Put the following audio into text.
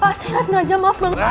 pasirin aja maaf banget